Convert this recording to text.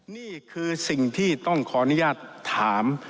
นี่คือสิ่งที่ต้องขออนุญาตถาม